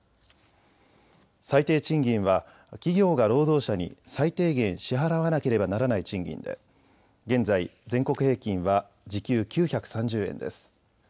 最低賃金は企業が労働者に最低限支払わなければならない賃金で現在、全国平均は時給９３０円です。